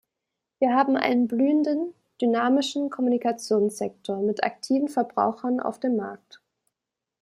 Wir haben einen blühenden, dynamischen Kommunikationssektor mit aktiven Verbrauchern auf dem Markt.